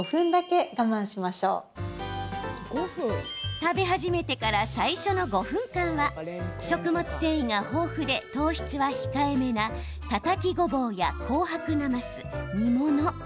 食べ始めてから最初の５分間は食物繊維が豊富で糖質は控えめなたたきごぼうや紅白なます、煮物。